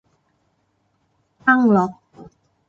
ตั้งล็อก